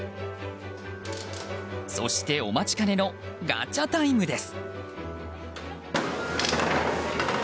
そしてお待ちかねのガチャタイムです。